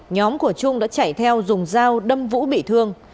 nhóm của trung đã chạy theo dùng dao đâm vũ bị thương